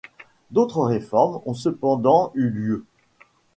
D'autres réformes ont cependant eu lieu.